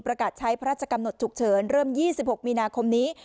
ประกาศใช้พระราชกำหนดฉุกเฉินเริ่ม๒๖มีนาคมนี้